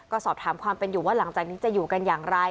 ก็สอบถามความเป็นอยู่ว่าหลังจากนี้จะอยู่กันอย่างไร